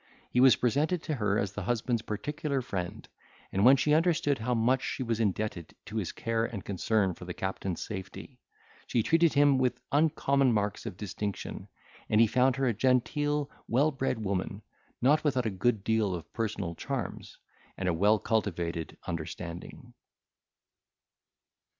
He was presented to her as the husband's particular friend, and when she understood how much she was indebted to his care and concern for the captain's safety, she treated him with uncommon marks of distinction; and he found her a genteel, well bred woman, not without a good deal of personal charms, and a well cultivated understanding.